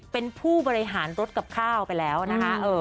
เป็นผู้บริหารรถกับข้าวไปแล้วนะคะ